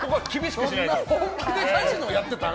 本気でカジノをやってたの？